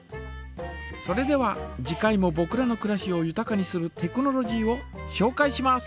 それでは次回もぼくらのくらしをゆたかにするテクノロジーをしょうかいします。